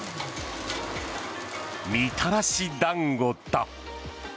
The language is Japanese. みたらし団子だ。